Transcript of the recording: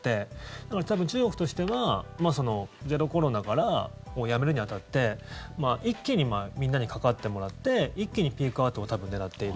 だから、多分、中国としてはゼロコロナをやめるに当たって一気にみんなにかかってもらって一気にピークアウトを多分狙っている。